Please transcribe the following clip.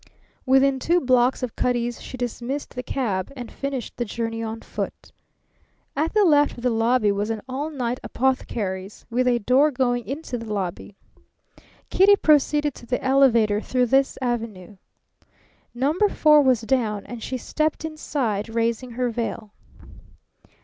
Within two blocks of Cutty's she dismissed the cab and finished the journey on foot. At the left of the lobby was an all night apothecary's, with a door going into the lobby. Kitty proceeded to the elevator through this avenue. Number Four was down, and she stepped inside, raising her veil.